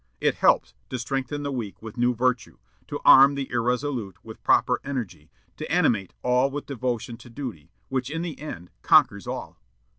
It helps to strengthen the weak with new virtue, to arm the irresolute with proper energy, to animate all with devotion to duty, which in the end conquers all.